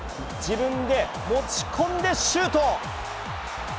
自分で持ち込んでシュート。